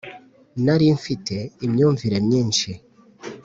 nariye mfite imyumvire myinshi